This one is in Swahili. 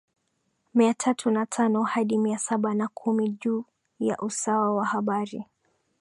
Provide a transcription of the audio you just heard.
mia tatu na tano hadi mia saba na kumi juu ya usawa wa bahari